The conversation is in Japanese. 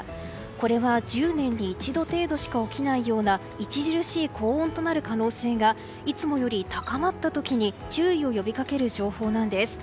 これは１０年に一度程度しか起きないような著しい高温となる可能性がいつもより高まった時に注意を呼びかける情報なんです。